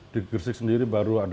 di gersik sendiri baru anda